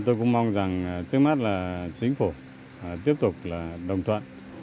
tôi cũng mong rằng trước mắt là chính phủ tiếp tục là đồng thuận